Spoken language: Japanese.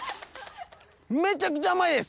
めちゃくちゃ甘いです。